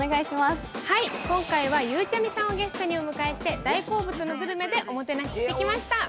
今回はゆうちゃみさんをお招きして、大好物のグルメでおもてなししてきました。